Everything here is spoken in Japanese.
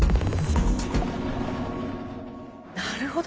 なるほど。